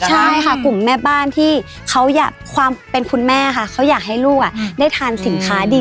ใช่ค่ะกลุ่มแม่บ้านที่เขาอยากความเป็นคุณแม่ค่ะเขาอยากให้ลูกได้ทานสินค้าดี